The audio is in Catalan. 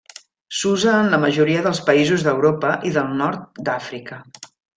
S'usa en la majoria dels països d'Europa i del Nord d'Àfrica.